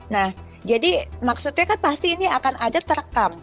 nah jadi maksudnya kan pasti ini akan ada terekam